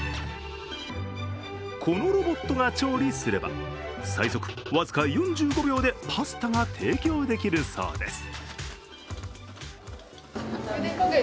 このロボットが調理すれば、最速僅か４５秒でパスタが提供できるそうです。